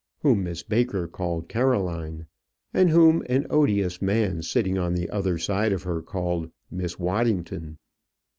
whom Miss Baker called Caroline, and whom an odious man sitting on the other side of her called Miss Waddington.